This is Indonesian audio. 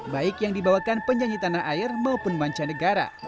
baik yang dibawakan penyanyi tanah air maupun mancanegara